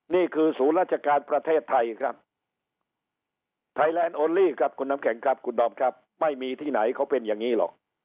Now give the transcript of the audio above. นี่คือศูนย์ราชการประเทศไทยครับไทยแลนดโอลี่ครับคุณน้ำแข็งครับคุณดอมครับไม่มีที่ไหนเขาเป็นอย่างนี้หรอก